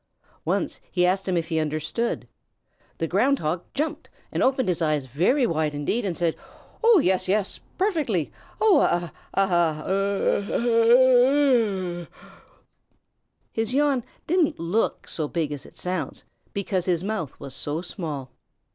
Once he asked him if he understood. The Ground Hog jumped and opened his eyes very wide indeed, and said: "Oh, yes, yes! Perfectly! Oh ah ah ah ah ah." His yawn didn't look so big as it sounds, because his mouth was so small.